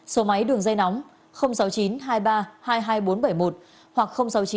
số máy đường dây nóng sáu chín hai ba hai hai bốn bảy một hoặc sáu chín hai ba hai một sáu sáu bảy